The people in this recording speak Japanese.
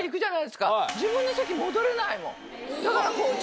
だから。